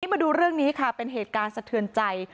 มาดูเรื่องนี้ค่ะเป็นเหตุการณ์สะเทือนใจ